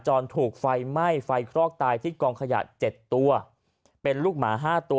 จอลถูกไฟไหม้ไฟคลอกตายที่กองขยะ๗ตัวเป็นลูกหมา๕ตัว